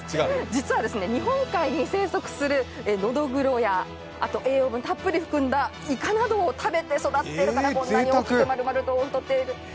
実は日本海に生息するのどぐろや、栄養分たっぷりのイカなどを食べて育っているからこんなに大きく丸々と太っている。